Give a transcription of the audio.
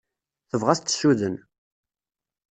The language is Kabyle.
Tebɣa ad t-tessuden.